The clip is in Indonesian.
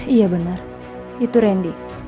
iya bener itu randy